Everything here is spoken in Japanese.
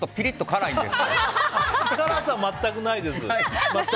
辛さ、全くないです。